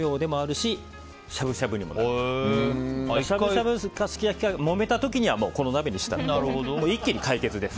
しゃぶしゃぶかすき焼きかもめた時には、この鍋にしたら一気に解決です。